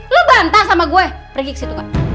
lu bantah sama gue pergi kesitu